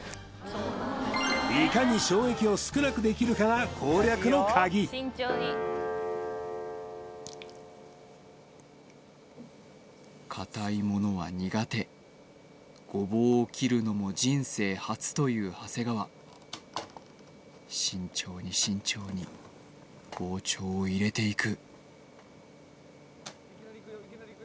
いかに衝撃を少なくできるかが攻略の鍵硬いものは苦手ゴボウを切るのも人生初という長谷川慎重に慎重に包丁を入れていく